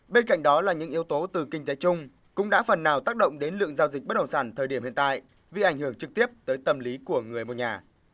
bên cạnh đó là những yếu tố từ kinh tế chung cũng đã phần nào tác động đến lượng giao dịch bất đồng sản thời điểm hiện tại vì ảnh hưởng trực tiếp tới tâm lý của người mua nhà